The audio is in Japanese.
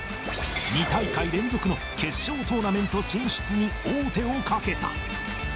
２大会連続の決勝トーナメント進出に王手をかけた。